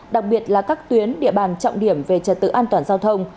đặc biệt là các tuyến địa bàn trọng điểm về trật tự an toàn giao thông